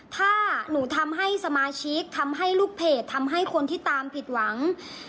ถ้าหนูทำให้สมาชิกทำให้ลูกเพจทำให้คนที่ตามผิดหวัง